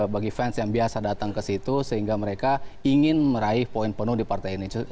bagi fans yang biasa datang ke situ sehingga mereka ingin meraih poin penuh di partai ini